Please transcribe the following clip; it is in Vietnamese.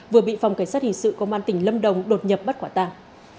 vừa bị phòng cảnh sát hình sự công an tỉnh lâm đồng đột nhập bắt quả tàng